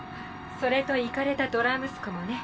それとイカれたドラ息子もね。